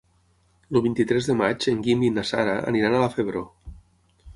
El vint-i-tres de maig en Guim i na Sara aniran a la Febró.